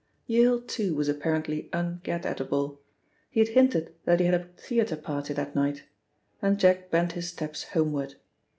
Yale, too, was apparently un get at able; he had hinted that he had a theatre party that night, and Jack bent his steps homeward.